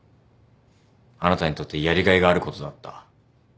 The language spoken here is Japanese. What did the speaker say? あなたにとってやりがいがあることだった。